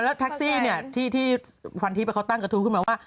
เออแล้วแท็กซี่เนี่ยพันทีไปเขาตั้งกระทุกขึ้นมาว่า